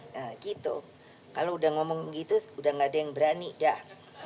nah gitu kalau udah ngomong gitu udah gak ada yang berani dah